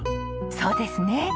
そうですね。